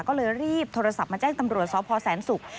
ก็เลยรีบโทรศัพท์มาแจ้งตำรวจสพแสนศุกร์